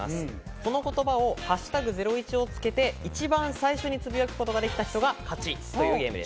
この言葉を「＃ゼロイチ」をつけて一番最初につぶやくことができた方が勝ちです。